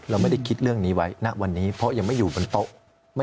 เราไม่ได้คิดเรื่องนี้ไว้ณวันนี้เพราะยังไม่อยู่บนโต๊ะ